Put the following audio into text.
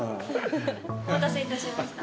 お待たせいたしました。